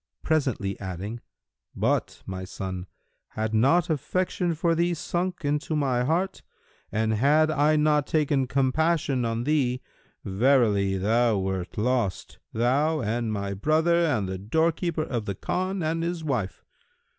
presently adding, "But, O my son, had not affection for thee sunk into my heart, and had I not taken compassion on thee, verily thou wert lost, thou and my brother and the doorkeeper of the Khan and his wife.